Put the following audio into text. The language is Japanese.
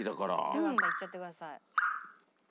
出川さんいっちゃってください。